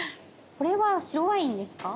これは白ワインですか？